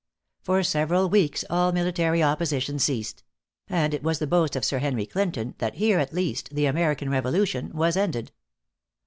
For several weeks all military opposition ceased; and it was the boast of Sir Henry Clinton, that here, at least, the American Revolution was ended.